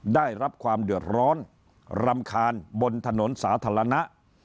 ได้รับความเดือดร้อนรำคาญบนถนนสาธารณะ